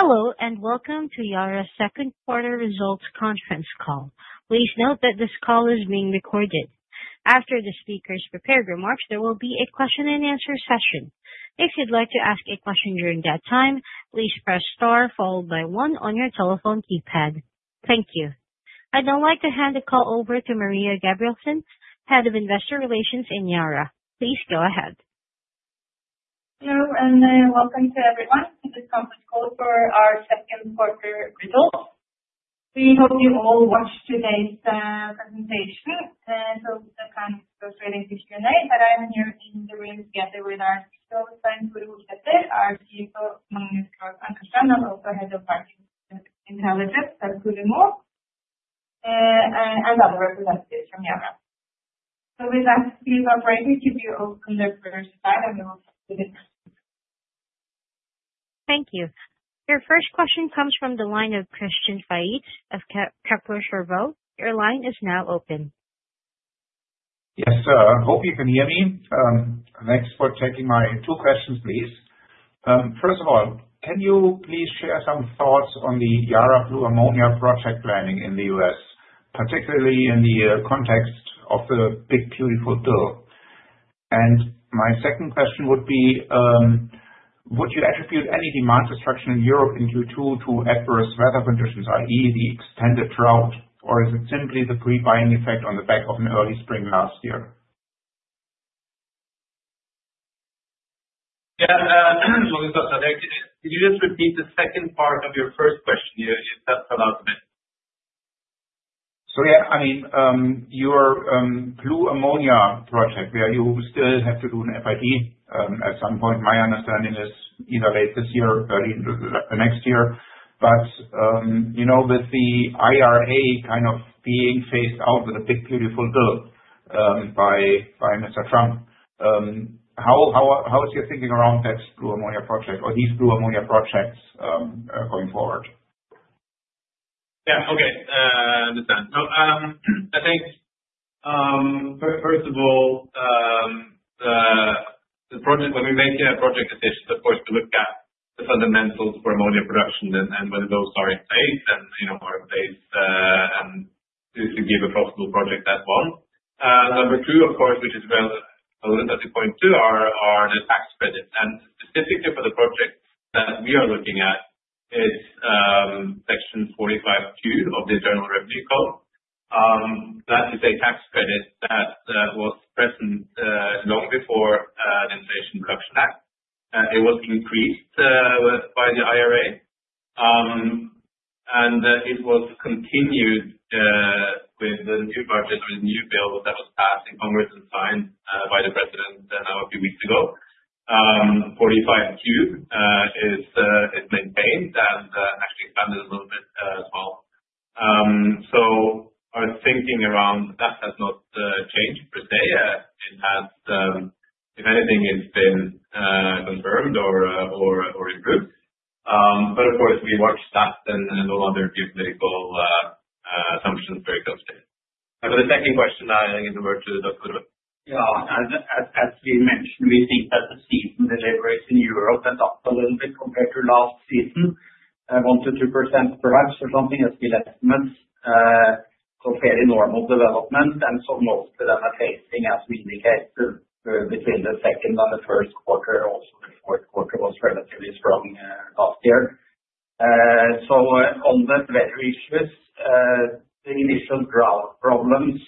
Hello, and welcome to Yara's Second Quarter Results Conference Call. Please note that this call is being recorded. After the speakers' prepared remarks, there will be a question and answer session. I'd now like to hand the call over to Maria Gabrielsson, Head of Investor Relations in Yara. Please go ahead. Hello, and welcome to everyone to this conference call for our second quarter results. We hope you all watched today's presentation hope that kind of frustrating this Q and A, but I'm here in the room together with our Your first question comes from the line of Christian Faitz of Kepler Cheuvreux. Yes. I hope you can hear me. For taking my two questions, please. First of all, can you please share some thoughts on the Yara blue ammonia project planning in The U. S, particularly in the context of the big beautiful doe? And my second question would be, would you attribute any demand destruction in Europe in Q2 to adverse weather conditions, I. E, the extended drought? Or is it simply the prebuying effect on the back of an early spring last year? So this is Jose. Could you just repeat the second part of your first question here? Is that the last bit? So yes, I mean, your blue ammonia project, where you still have to do an FID at some point. My understanding is either late this year or early next year. But with the IRA kind of being phased out with a big, beautiful bill by Mr. Trump, How is your thinking around that blue ammonia project or these blue ammonia projects going forward? Yes. Okay. I understand. So I think, first of all, the project when we make project decisions, of course, we look at the fundamentals for ammonia production and whether those are in place and marketplace if and we give a profitable project that one. Number two, of course, which is relevant, wanted to point to, are the tax credits. And specifically for the projects that we are looking at is Section 40 five(two) of the Internal Revenue Code. That is a tax credit that was present long before the Inflation Production Act. It was increased by the IRA and it was continued with the new budget or the new bill that was passed in Congress and signed by the President now a few weeks ago. 45Q is maintained and actually expanded a little bit as well. So our thinking around that has not changed per se. It has, if anything, it's been confirmed or improved. But of course, we watch that and no longer give medical assumptions very closely. And for the second question, I'll hand over to Doctor. Kuruvann. Yes. As we mentioned, we think that the season deliveries in Europe went up a little bit compared to last season, one percent to two percent perhaps or something as we let months of fairly normal development. And so most of them are facing as we indicated between the second and the first quarter. Also, fourth quarter was relatively strong last year. So on wet weather issues, the initial drought problems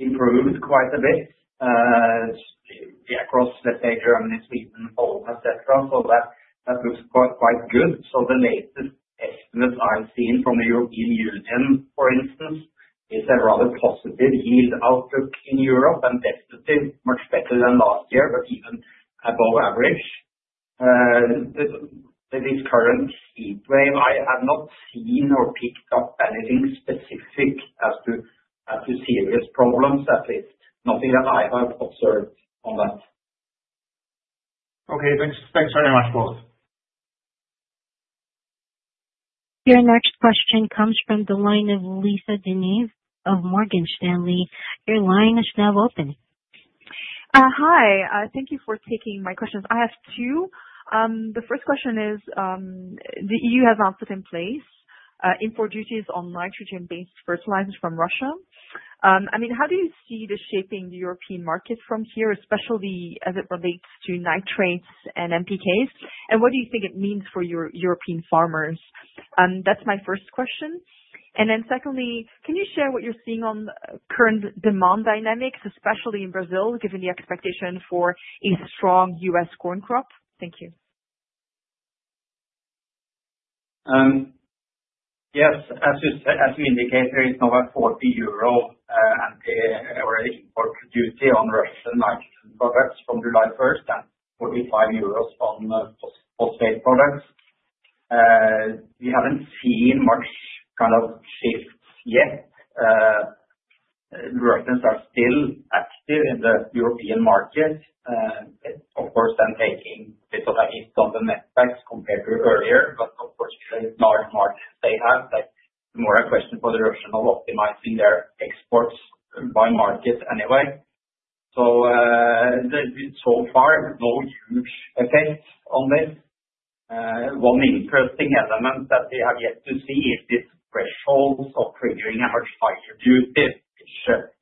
improved quite a bit across, let's say, Germany, Sweden, Poland, etcetera. So that looks quite good. So the latest estimates I've seen from the European Union, for instance, is a rather positive yield outlook in Europe and that's much better than last year, but even above average. And this current heat wave, I have not seen or picked up anything specific as to serious problems at least, nothing that I have observed on that. Your next question comes from the line of Lisa Denis of Morgan Stanley. Your line is now open. Hi. Thank you for taking my questions. I have two. The first question is, the EU has now put in place import duties on nitrogen based fertilizers from Russia. I mean, how do you see the shaping European market from here, especially as it relates to nitrates and NPKs? And what do you think it means for your European farmers? That's my first question. And then secondly, can you share what you're seeing on current demand dynamics, especially in Brazil, given the expectation for a strong U. S. Corn crop? Yes. As you said, as we indicated, there is no about €40 and already import duty on Russian nitrogen products from July 1 and €45 on phosphate products. We haven't seen much kind of shifts yet. The Russians are still active in the European market. Of course, I'm taking this, like, in some of netbacks compared to earlier, but, of course, large market they have, like, more a question for the Russian of optimizing their exports by market anyway. So the so far, no huge effect on this. One interesting element that we have yet to see is this threshold of triggering a much tighter duty,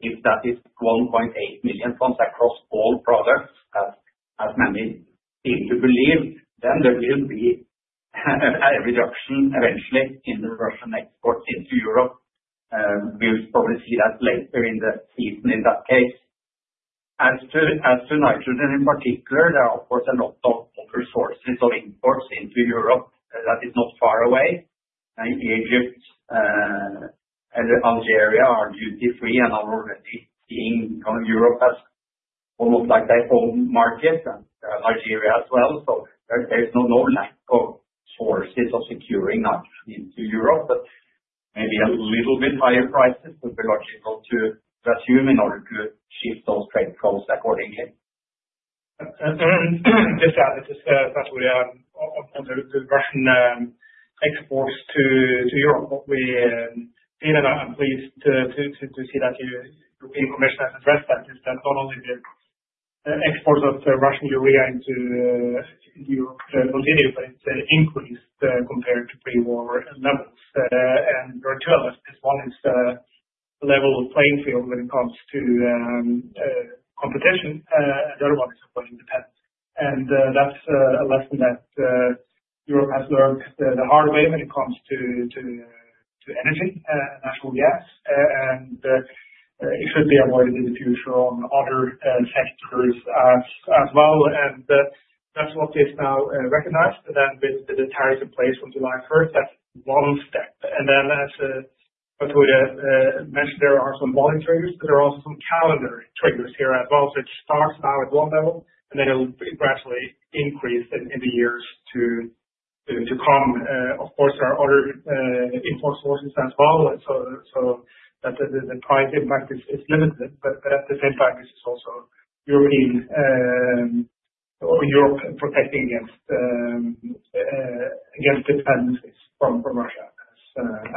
if that is 1,800,000 tonnes across all products, as many seem to believe, then there will be a reduction eventually in the Russian exports into Europe. We'll probably see that later in the season in that case. As to nitrogen in particular, there are of course a lot of resources of imports into Europe that is not far away. And Egypt and Algeria are duty free and are already seeing Europe as almost like their own market So there's no lack of sources of securing that into Europe, maybe a little bit higher prices would be logical to assume in order to shift those trade costs accordingly. Just to add, it is that we are on the the Russian exports to Europe. We even I'm pleased to to to see that you being commissioned as a press that is that not only the exports of Russian urea into Europe continue, but it's an increase compared to prewar numbers. And there are two of us. This one is the level of playing field when it comes to competition. The other one is important to that. And that's a lesson that Europe has learned the hard way when it comes to energy, natural gas, and it should be avoided in the future on other sectors as well. And that's what is now recognized. And then with the tariffs in place from July 1, that's one step. And then as I would have mentioned, there are some volume triggers, but there are also some calendar triggers here as well. So it starts now at one level, and then it will gradually increase in the years to come. Of course, are other import sources as well. And so the price impact is limited, but at the same time, this is also you're really or Europe protecting against the dependencies from Russia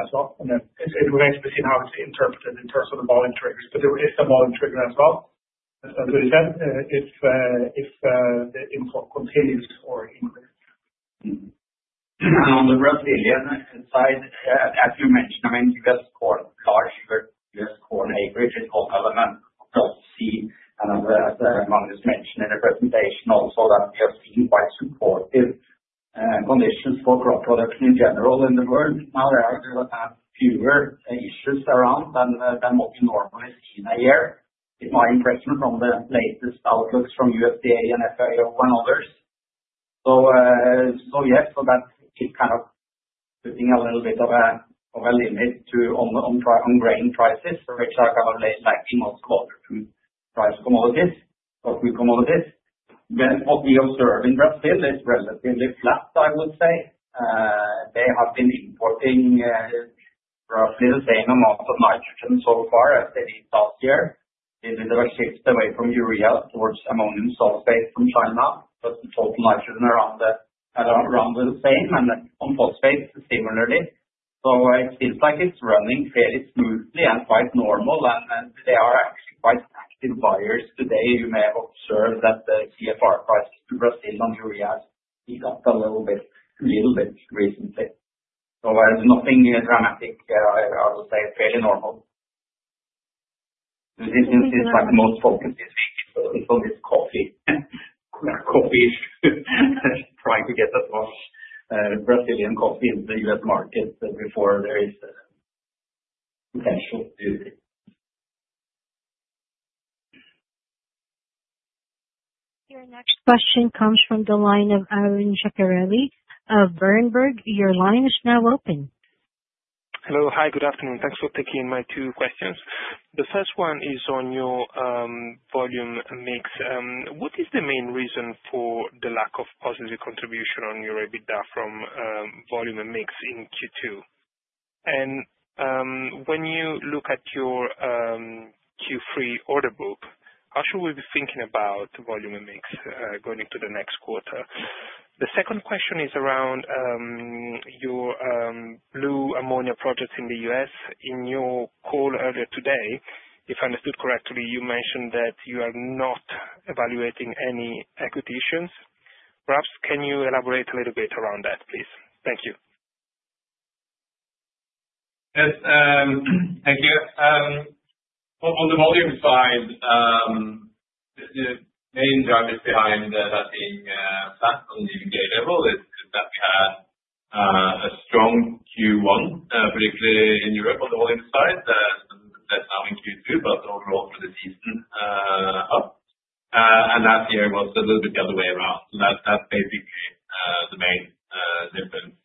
as well. And then it's it's to be seen how it's interpreted in terms of the volume triggers, but there is a volume trigger as well. As I said, if if the import continues or increase. On the Brazilian side, as you mentioned, I mean, corn, US corn, acreage, and all element of. And as mentioned in the presentation, also that we have seen quite supportive conditions for crop products in general in the world. Now there are fewer issues around than what we normally see in a year. It's my impression from the latest outlooks from USDA and FAO and others. So so yes, so that's kind of putting a little bit of a of a limit to on on driving grain prices, which are kind of late, like, the most volatile price commodities or commodities. Then what we observe in Brazil is relatively flat, I would say. They have been importing roughly the same amount of nitrogen so far as they did last year. They've been able to shift away from urea towards ammonium sulfate from China, but the total nitrogen around the around the same and then on phosphate, similarly. So it seems like it's running fairly smoothly and quite normal, and then they are actually quite active buyers today. You may have observed that the CFR price to Brazil and urea, we got a little bit little bit recently. So there's nothing dramatic, I would say, fairly normal. This is is, like, the most focus this week is for coffee. Coffee is trying to get as much Brazilian coffee in The U. S. Market before there is potential. Your next question comes from the line of Arun Giacarelli of Berenberg. Your line is now open. Hello. Hi, good afternoon. Thanks for taking my two questions. The first one is on your volume mix. What is the main reason for the lack of positive contribution on your EBITDA from volume and mix in Q2? And when you look at your Q3 order book, how should we be thinking about volume and mix going into the next quarter? The second question is around your blue ammonia projects in The U. S. In your call earlier today, if I understood correctly, you mentioned that you are not evaluating any equity issuance. Perhaps can you elaborate a little bit around that, please? Yes. Thank you. On the volume side, the main drivers behind that being flat on the EBITDA level is that we had a strong Q1, particularly in Europe on the volume side, that's now in Q2, but overall for the season up. And last year, it was a little bit the other way around. So that's basically the main difference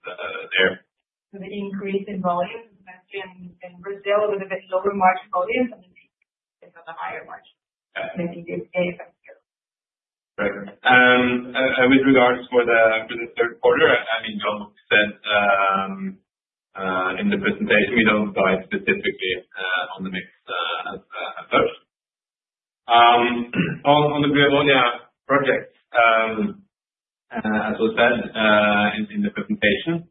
there. So the increase in volume, especially in Brazil, a little bit lower margin volume, and it's on the higher margin. With regards for the third quarter, I think John said in the presentation, we don't guide specifically on the mix approach. On the Bravonia project, as was said in the presentation,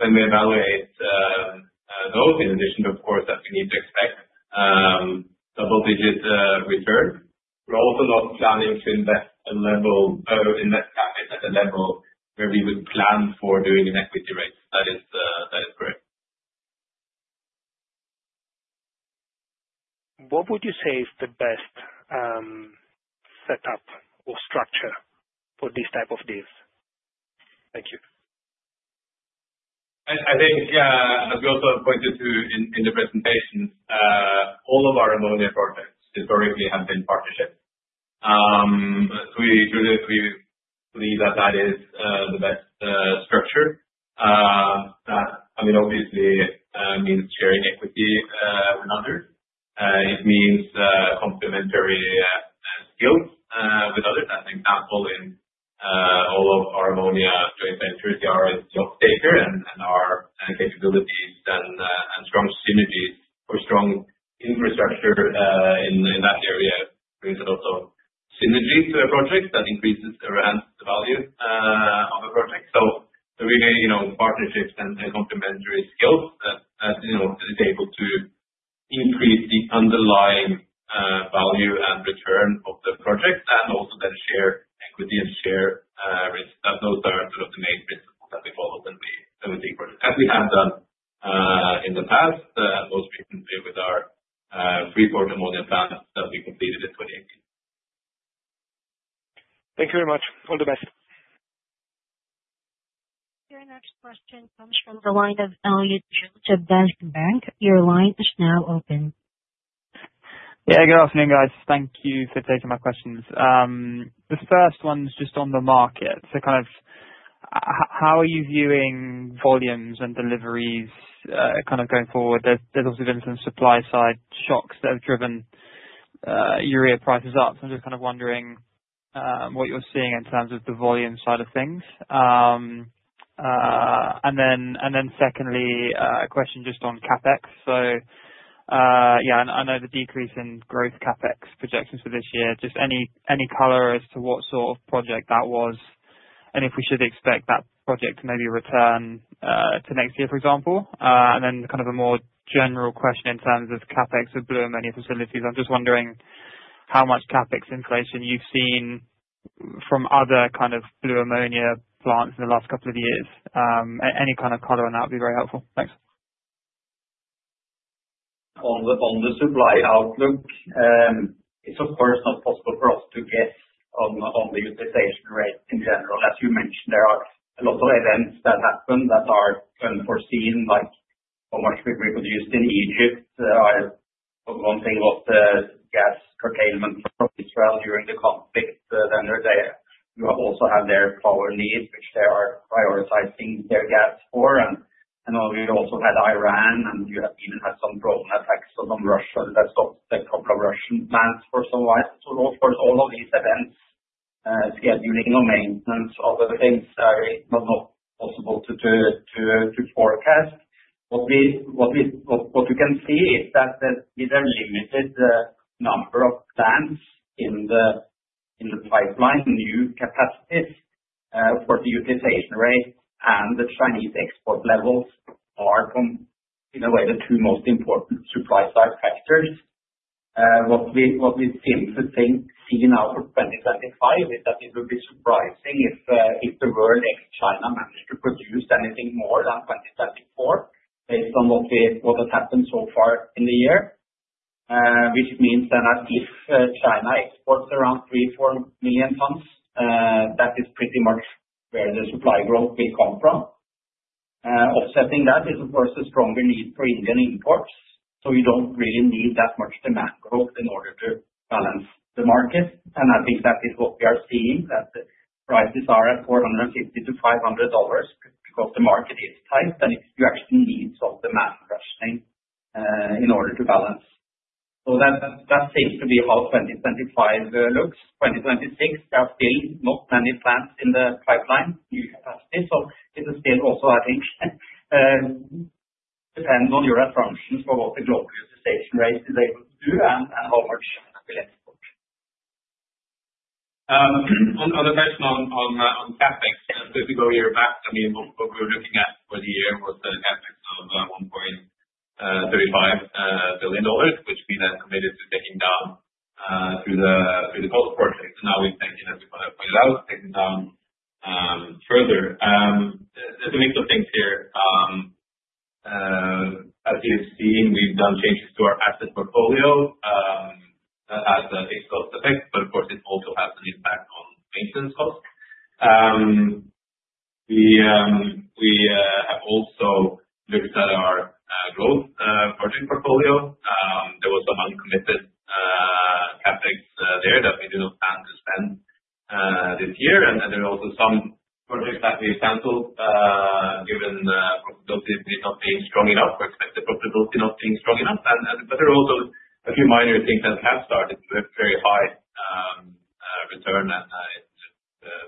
when we evaluate those, in addition, of course, that we need to expect double digit return. We're also not planning to invest at level where we would plan for doing an equity raise, that is correct. What would you say is the best setup or structure for these type of deals? I think, as we also pointed to in the presentation, all of our ammonia projects historically have been partnership. Believe that that is the best structure. I mean, obviously, mean, sharing equity with others. It means complementary skills with others. I think that's all in all of our ammonia joint venture, they are a job taker and our capabilities and strong synergies or strong infrastructure in that area brings a lot of synergies to the projects that increases around the value of the project. So there are really partnerships and complementary skills that is able to increase the underlying value and return of the project and also better share equity and share risk. Those are sort of the main principles that we follow when we think about it, as we have done in the past, most recently with our Freeport Pneumonia plant that we completed in 2018. Your next question comes from the line of Elliot Schultz of Deutsche Bank. Yes. Good afternoon, guys. Thank you for taking my questions. The first one is just on the market. So kind of how are you viewing volumes and deliveries kind of going forward? There's also been some supply side shocks that have driven urea prices up. So I'm just kind of wondering what you're seeing in terms of the volume side of things. And then secondly, a question just on CapEx. So yes, I know the decrease in growth CapEx projections for this year. Just any color as to what sort of project that was? And if we should expect that project to maybe return to next year, for example? And then kind of a more general question in terms of CapEx of Bloemenya facilities. I'm just wondering how much CapEx inflation you've seen from other kind of blue ammonia plants in the last couple of years? Any kind of color on that would be very helpful. Thanks. On supply outlook, it's of course not possible for us to get on the utilization rate in general. As you mentioned, there are a lot of events that happened that are unforeseen like how much we reproduced in Egypt. One thing about the gas curtailment from Israel during the conflict, then they're there. You have also had their power needs, which they are prioritizing their gas for. And we also had Iran, and you have even had some drone attacks on Russia. That's not a couple of Russian plans for some life. So of course, all of these events scheduling or maintenance, all other things are not possible to do to to forecast. What we we can see is that we've limited the number of plants in the pipeline, new capacities for the utilization rate and the Chinese export levels are in a way the two most important supply side factors. What we seem to think, see now for 2025 is that it will be surprising if the world ex China managed to produce anything more than 2024 based on what has happened so far in the year, which means that if China exports around 3,000,000, 4,000,000 tons, that is pretty much where the supply growth may come from. Offsetting that is, of course, a stronger need for Indian imports. So we don't really need that much demand growth in order to balance the market. And I think that is what we are seeing that prices are at $450 to $500 because the market is tight and you actually need some demand rushing in order to balance. So that seems to be how 2025 looks. 2026, there are still not many plants in the pipeline, new capacity. So it's still also, I think, depends on your assumptions for what the global utilization rate is able to do and how much will it support. On the question on CapEx, so if we go a year back, I mean, what we were looking at for the year was the CapEx of $1,350,000,000 which we then committed to taking down through the COVID project. Now we think, as we pointed out, taking down further. There's a mix of things here. As you've seen, we've done changes to our asset portfolio that has a cost effect, but of course, it also has an impact on maintenance costs. We have also looked at our growth project portfolio. There was some uncommitted CapEx there that we do not plan to spend this year. And then there are also some projects that we canceled given profitability not being strong enough. We expect the profitability not being strong enough. But there are also a few minor things that have started to have very high return and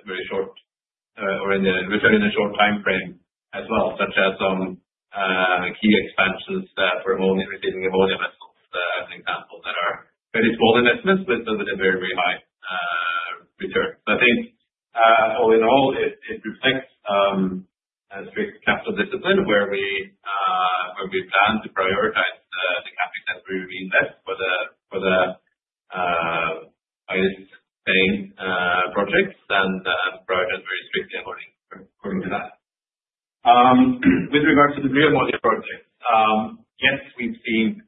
very short or in the return in a short time frame as well, such as some key expansions for ammonia, receiving ammonia vessels, as an example, that are very small investments with a very, very high return. So I think all in all, it reflects a strict capital discipline where we plan to prioritize the CapEx that we reinvest for the highest paying projects and projects very strictly according to that. With regards to the Greomotive project, yes, we've seen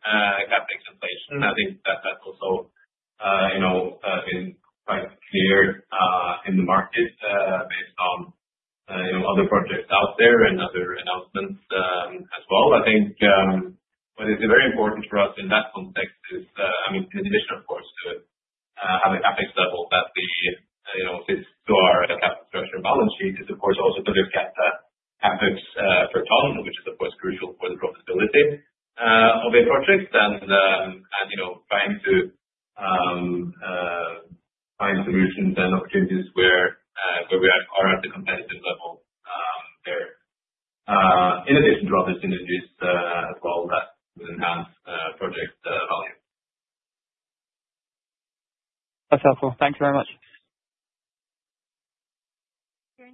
CapEx inflation. I think that's also been quite clear in the market based on other projects out there and other announcements as well. I think what is very important for us in that context is, I mean, in addition, of course, to have a CapEx level that fits to our capital structure and balance sheet is, of course, also to look at CapEx per tonne, which is, of course, crucial for the profitability of a project and trying to find solutions and opportunities where we are at the competitive level there, in addition to other synergies as well that will enhance project value. That's helpful. Thanks very much.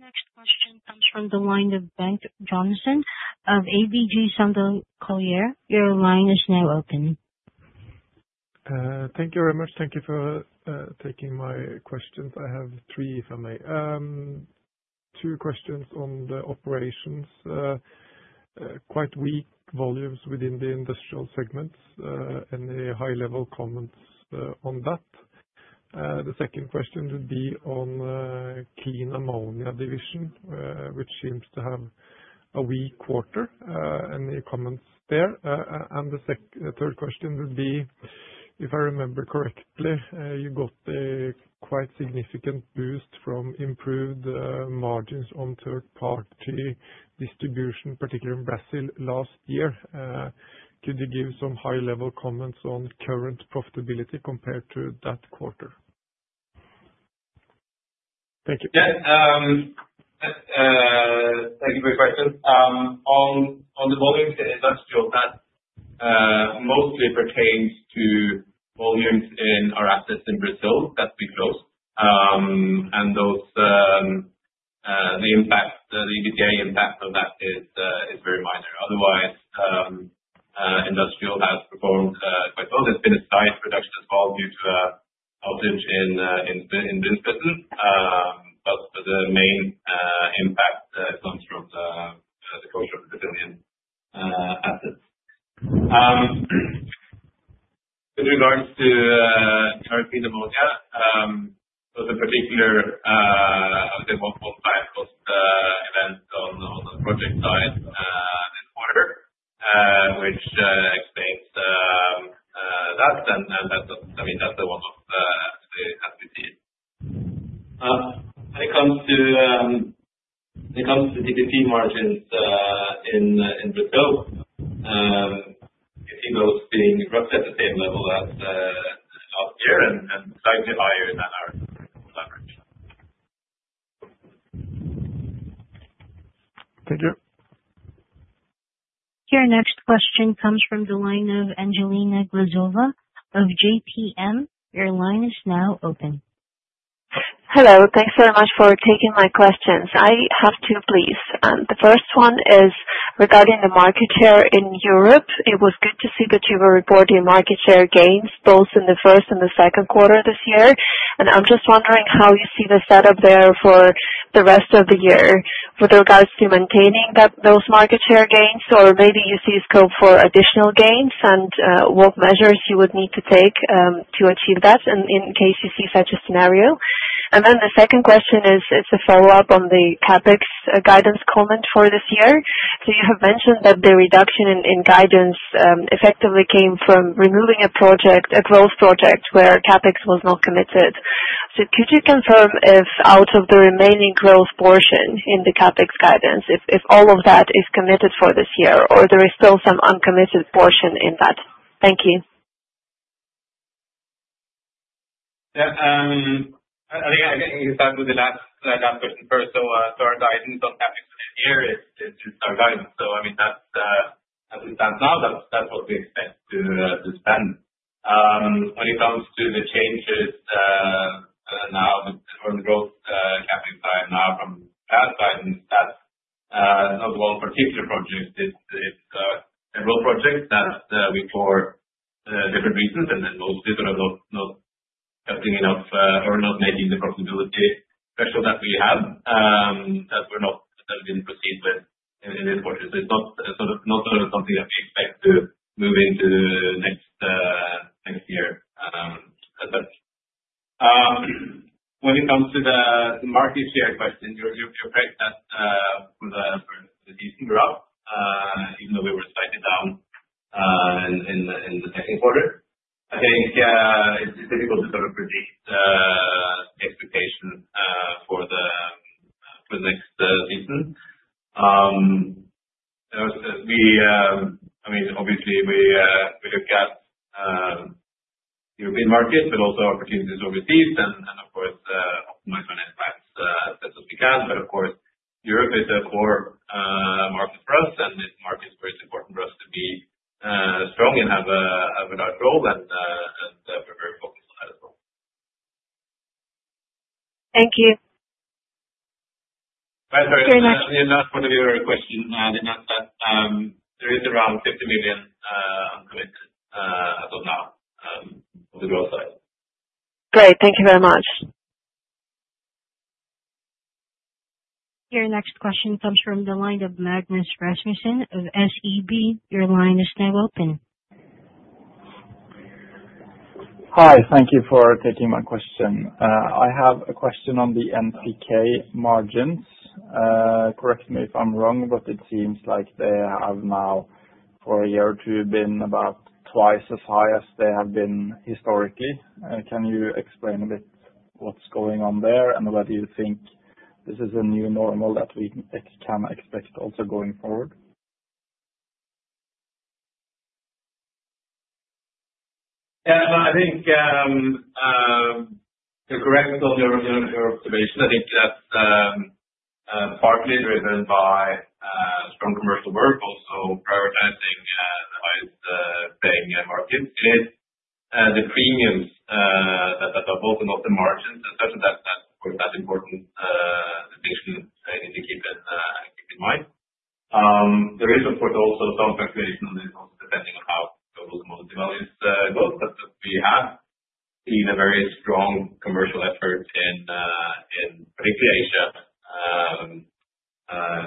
Your next question comes from the line of Bank Johnson of ABG Sundal Collier. Your line is now open. Thank you very much. Thank you for taking my questions. I have three, if I May. Two questions on the operations. Quite weak volumes within the industrial segments. Any high level comments on that? The second question would be on key ammonia division, which seems to have a weak quarter. Any comments there? And the third question would be, if I remember correctly, you got a quite significant boost from improved margins on third party distribution, particularly in Brazil last year. Could you give some high level comments on current profitability compared to that quarter? Yes. Thank you for your question. On the volumes in IndustrialSet, mostly pertains to volumes in our assets in Brazil that we closed. And those the impact the EBITDA impact of that is very minor. Otherwise, industrial has performed quite well. There's been a slight reduction as well due to a outage in Binsbettin, but the main impact comes from the closure of the Brazilian assets. With regards to European ammonia, there was a particular, I would say, onetime cost event on the project side this quarter, which explains that, and that's the I mean, that's the one off to be seen. When it comes when it comes to the GPT margins in Brazil, CPP was being roughly at the same level as last year and slightly higher than our leverage. Thank you. Your next question comes from the line of Angelina Glazova of JPM. Your line is now open. Hello. Thanks very much for taking my questions. I have two, please. The first one is regarding the market share in Europe. It was good to see that you were reporting market share gains both in the first and the second quarter this year. And I'm just wondering how you see the setup there for the rest of the year with regards to maintaining those market share gains? Maybe you see scope for additional gains? And what measures you would need to take to achieve that in case you see such a scenario? And then the second question is a follow-up on the CapEx guidance comment for this year. So you have mentioned that the reduction in guidance effectively came from removing a project a growth project where CapEx was not committed. So could you confirm if out of the remaining growth portion in the CapEx guidance, if all of that is committed for this year? Or there is still some uncommitted portion in that? Yes. I mean, I think you start with the last question first. Our guidance on CapEx this year is our guidance. So I mean that's as we stand now, that's what we expect to spend. When it comes to the changes now from the growth CapEx side now from past guidance, that not the one particular project, it's a growth project that we for different reasons and then mostly sort of not testing enough or not making the profitability special that we have that we're not that we didn't proceed with in this quarter. So it's not sort of something that we expect to move into next year. When it comes to the market share question, you're correct that with the decent growth, We I mean, obviously, we look at European markets and also opportunities overseas and, of course, optimize finance as we can. But of course, Europe is a core market for us, and this market is very important for us to be strong and have a nice role, and and we're very focused on that as well. Thank you. Very much. Did not want to hear your question. I did not ask that. There is around $50,000,000 as of now on the growth side. Great. Thank you very much. Your next question comes from the line of Magnus Rasmussen of SEB. Your line is now open. Hi, thank you for taking my question. I have a question on the NPK margins. Correct me if I'm wrong, but it seems like they have now for a year or two been about twice as high as they have been historically. Can you explain a bit what's going on there? And whether you think this is a new normal that we can expect also going forward? Yes. I think you're correct on your observation. I think that's partly driven by strong commercial work, also prioritizing the highest paying end markets. And the premiums that are both in the margins, that's important decision to keep in mind. The reason for those are some fluctuations depending on how the most amount the values go, but we have seen a very strong commercial effort in particularly Asia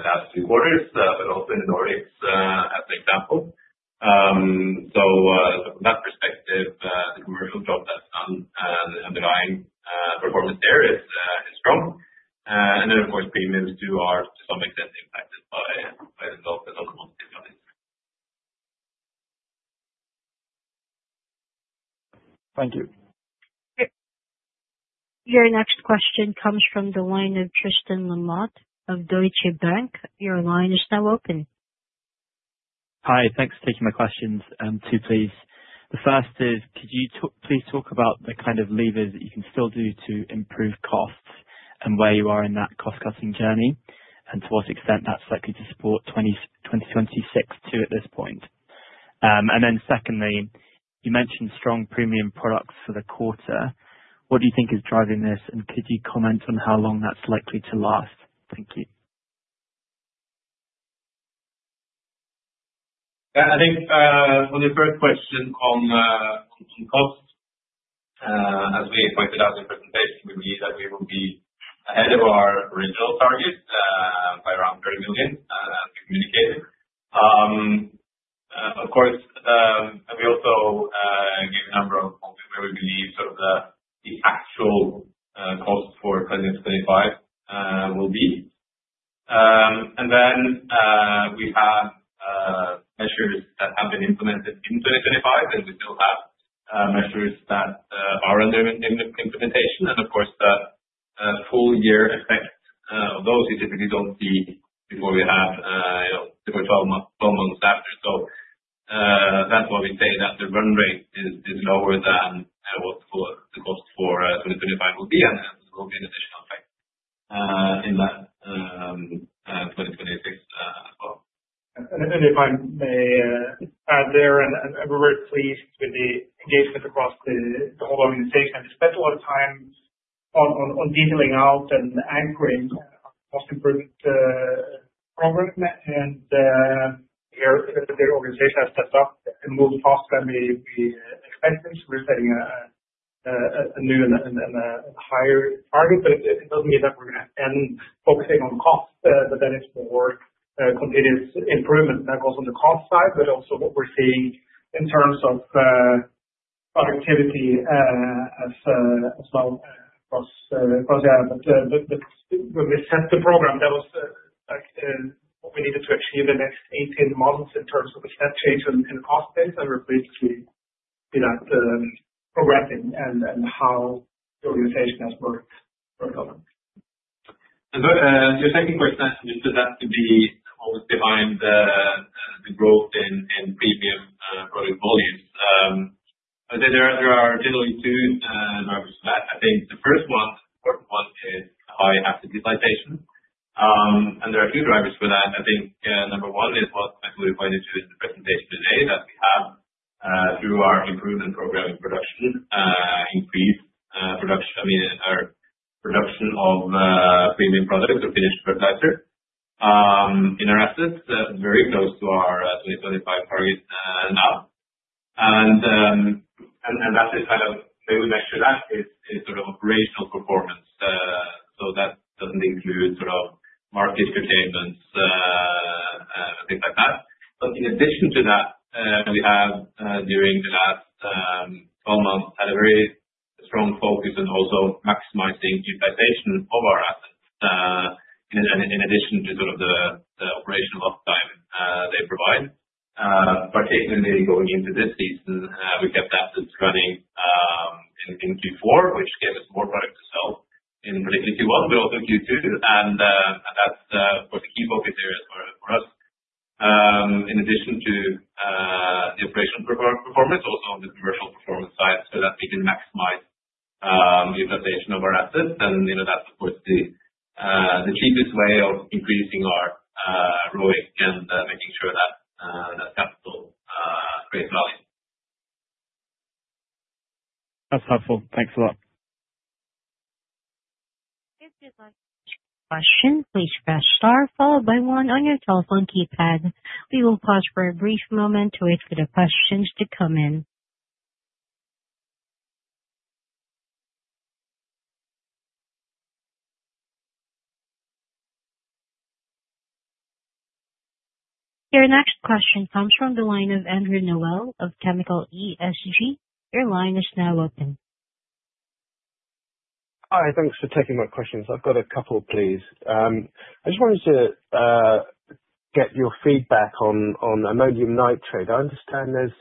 last few quarters, but also in The Nordics as an example. So from that perspective, the commercial job that's done, the underlying performance there is strong. And then of course, premiums to our, to some extent, by Thank you. Your next question comes from the line of Tristan Lamott of Deutsche Bank. Your line is now open. Hi, thanks for taking my questions. Two, please. The first is, could you please talk about the kind of levers that you can still do to improve costs and where you are in that cost cutting journey? And to what extent that's likely to support 2026 too at this point? And then secondly, you mentioned strong premium products for the quarter. What do you think is driving this? And could you comment on how long that's likely to last? Thank you. I think for the first question on cost, as we pointed out in the presentation, we believe that we will be ahead of our original target by around $30,000,000 as we communicated. Of course, we also gave a number of where we believe sort of the actual cost for 2025 will be. And then we have measures that have been implemented in 2025, and we still have measures that are under implementation, and of course, the full year effect of those we typically don't see before we have twelve months after. So that's why we say that the run rate is lower than what the cost for 2025 will be and will be an additional effect in that 2026 as well. And then if I may add there, and and we're very pleased with the engagement across the the whole organization. We spent a lot of time on on on detailing out and anchoring cost improvement progress. And here, the organization has stepped up and move faster than maybe expenses. We're setting a new and a higher target, but it doesn't mean that we're gonna end focusing on cost, but then it's more continuous improvement that goes on the cost side, but also what we're seeing in terms of productivity as as well as as yeah. But but but when we set the program, that was, like, what we needed to achieve in next eighteen months in terms of the step change in in cost base, and we're basically progressing and how the organization has worked for government. And your second question just has to be always behind the growth in premium product volumes. There are generally two drivers for that. I think the first one is high asset utilization. And there are two drivers for that. I think number one is what we pointed to in the presentation today that we have through our improvement program in production, increased production I mean, our production of premium products or finished fertilizer in our assets, very close to our 2025 target now. And that is kind of they would measure that is sort of operational performance. So that doesn't include sort of market curtailments things like that. But in addition to that, we have during the last twelve months had a very strong focus and also maximizing utilization of our assets in addition to sort of the operational uptime they provide. Particularly going into this season, we kept assets running in Q4, which gave us more product to sell in particularly Q1, but also in Q2, and that's what the key focus areas for us. In addition to the operational performance, also on the commercial performance side, so that we can maximize utilization of our assets. And that's, of course, the cheapest way of increasing our ROIC and making sure that capital creates value. That's helpful. Thanks a lot. Your next question comes from the line of Andrew Noelle of Chemical ESG. I've got a couple, please. I just wanted to get your feedback on on ammonium nitrate. I understand there's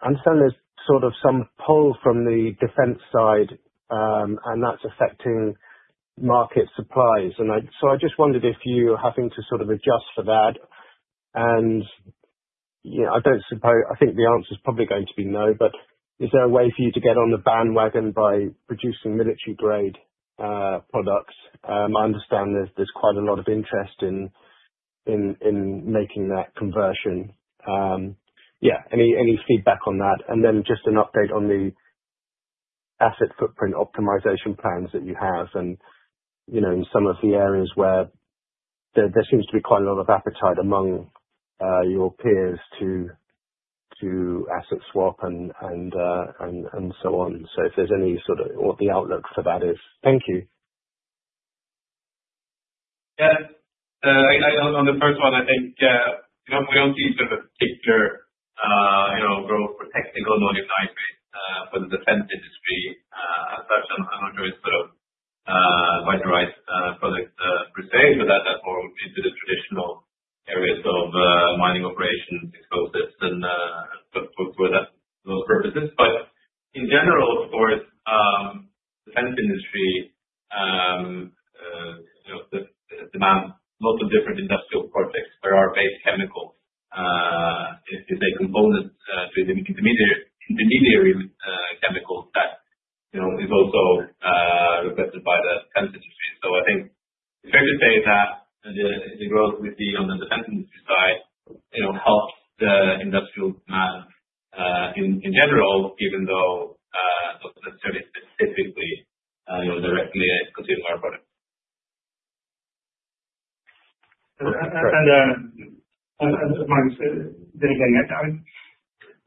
I understand there's sort of some pull from the defense side, and that's affecting market supplies. And I so I just wondered if you're having to sort of adjust for that. And, you know, I don't suppose I think the answer is probably going to be no. But is there a way for you to get on the bandwagon by producing military grade products? I understand there's there's quite a lot of interest in in in making that conversion. Yeah. Any any feedback on that? And then just an update on the asset footprint optimization plans that you have and, you know, in some of the areas where there seems to be quite a lot of appetite among your peers to asset swap and so on. So if there's any sort of what the outlook for that is? On the first one, I think we don't see sort of a particular growth for technical non igniter for the defense industry as such, I'm going sort of underwrite product per se, but that's more into the traditional areas of mining operations, it's both for those purposes. But in general, of course, the defense industry demands lots of different industrial projects. There are base chemicals. It's a component to the intermediary chemicals that is also reflected by the. So I think it's fair to say that the growth we see on the defense industry side helps the industrial demand in general, even though not necessarily specifically, you know, directly consume our product. And Martin said, then again, I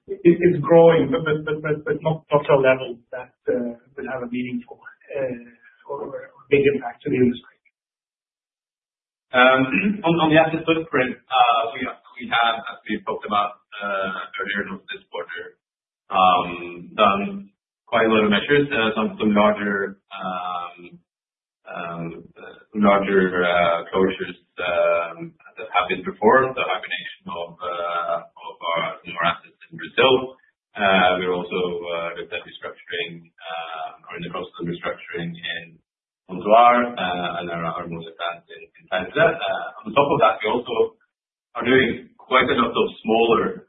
it's it's growing, but but but but but not not to a level that will have a meeting or big impact to the industry. On the asset footprint, we have, as we've talked about earlier this quarter, done quite a lot of measures, some larger closures have been performed, the combination of newer assets in Brazil. We're also restructuring or in the cost of restructuring in Montoir and our most advanced in Canada. On top of that, we also are doing quite a lot of smaller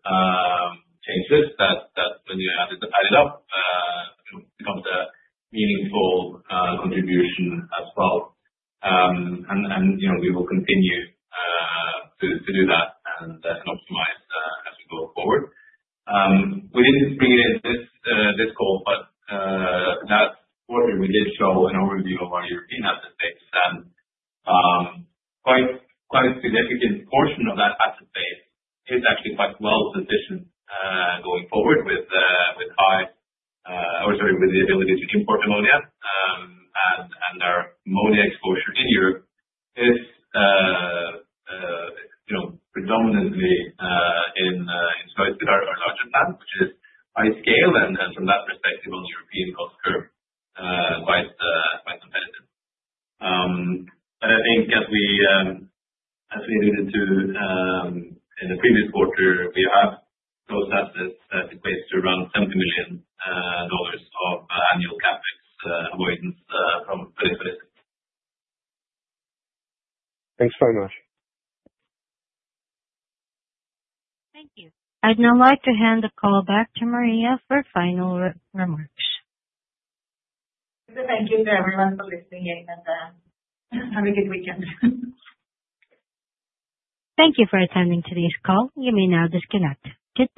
changes that when you add it up, it becomes a meaningful contribution as well. And we will continue to do that optimize as we go forward. We didn't see it this call, but that quarter we did show an overview of our European asset base. Quite a significant portion of that asset base is actually quite well positioned going forward with high or sorry, with the ability to import ammonia. And our ammonia exposure in Europe is predominantly in size with our larger plant, which is by scale and from that perspective on the European cost curve, quite competitive. But I think as we alluded to in the previous quarter, we have those assets that equates to around $70,000,000 of annual CapEx avoidance from Thanks very much. Thank you. I'd now like to hand the call back to Maria for final remarks. Thank you to everyone for listening in and have a good weekend. Thank you for attending today's call. You may now disconnect. Goodbye.